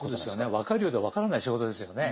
分かるようで分からない仕事ですよね。